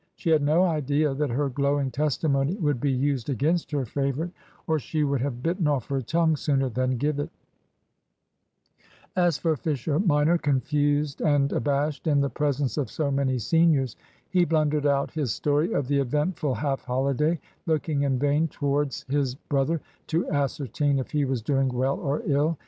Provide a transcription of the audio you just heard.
She had no idea that her glowing testimony was to be used against her favourite, or she would have bitten off her tongue sooner than give it: As for Fisher minor, confused and abashed in the presence of so many seniors, he blundered out his story of the eventful half holiday, looking in vain towards his brother to ascertain if he was doing well or ill.